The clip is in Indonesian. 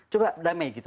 coba damai gitu